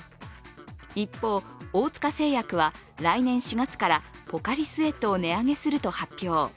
一方、大塚製薬は来年４月からポカリスエットを値上げすると発表。